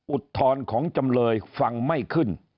อุทธรณ์ของจำเลยฟังไม่ขึ้น